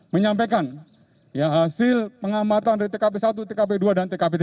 menyampaikan ya hasil pengamatan dari tkp i tkp ii dan tkp iii